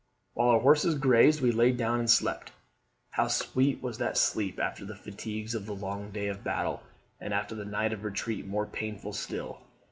While our horses grazed, we lay down and slept. How sweet was that sleep after the fatigues of the long day of battle, and after the night of retreat more painful still!